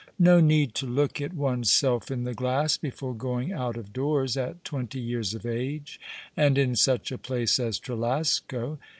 No need to look at one "s self in the glass before going out of doors, at twenty years of age, and in such a place as Trelasco.